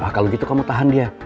ah kalau gitu kamu tahan dia